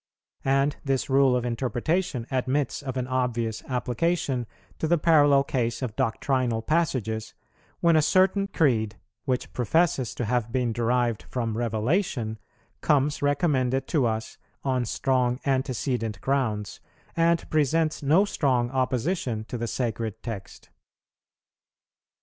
And this rule of interpretation admits of an obvious application to the parallel case of doctrinal passages, when a certain creed, which professes to have been derived from Revelation, comes recommended to us on strong antecedent grounds, and presents no strong opposition to the sacred text.